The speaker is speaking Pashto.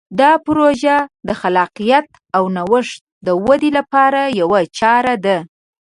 دا پروژه د خلاقیت او نوښت د ودې لپاره یوه چاره ده.